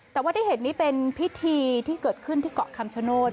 แต่ว่าที่เห็นนี้เป็นพิธีที่เกิดขึ้นที่เกาะคำชโนธ